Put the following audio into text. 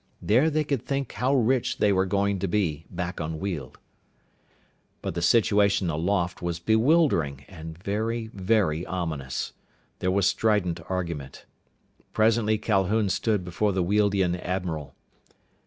There they could think how rich they were going to be back on Weald. But the situation aloft was bewildering and very, very ominous. There was strident argument. Presently Calhoun stood before the Wealdian admiral.